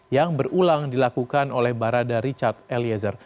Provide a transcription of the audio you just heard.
yang berulang dilakukan oleh barada richard eliezer